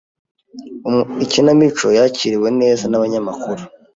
Ikinamico yakiriwe neza nabanyamakuru.